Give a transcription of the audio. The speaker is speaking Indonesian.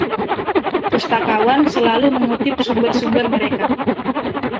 Pustakawan selalu mengutip sumber-sumber mereka.